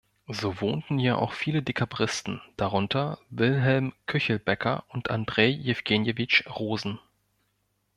So wohnten hier auch viele Dekabristen, darunter Wilhelm Küchelbecker und Andrei Jewgenjewitsch Rosen.